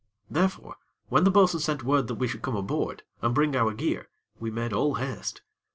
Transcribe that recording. Therefore, when the bo'sun sent word that we should come aboard, and bring our gear, we made all haste.